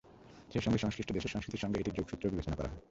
সেই সঙ্গে সংশ্লিষ্ট দেশের সংস্কৃতির সঙ্গে এটির যোগসূত্রও বিবেচনা করা হয়।